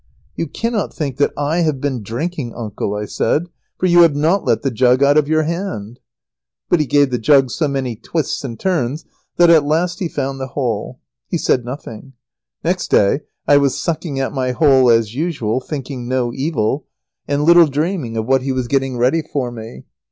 "You cannot think that I have been drinking, uncle!" I said, "for you have not let the jug out of your hand." But he gave the jug so many twists and turns that at last he found the hole. He said nothing. [Sidenote: The wicked blind man's cruel revenge.] Next day I was sucking at my hole as usual, thinking no evil, and little dreaming of what he was getting ready for me.